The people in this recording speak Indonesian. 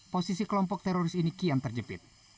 posisi kelompok teroris ini kian terjepit